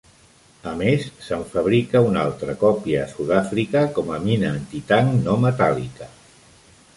A més, se'n fabrica una altra còpia a Sudàfrica com a "Mina antitanc no metàl·lica".